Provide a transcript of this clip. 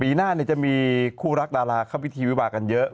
ปีหน้าจะมีคู่รักดาราเข้าพิธีวิวากันเยอะ